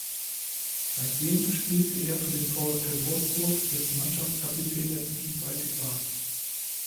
Seitdem spielte er für den VfL Wolfsburg, dessen Mannschaftskapitän er zwischenzeitlich war.